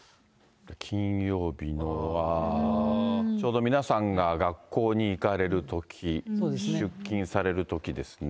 金曜日の、わー、ちょうど皆さんが学校に行かれるとき、出勤されるときですね。